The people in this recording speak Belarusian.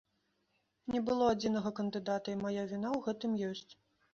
Не было адзінага кандыдата, і мая віна ў гэтым ёсць.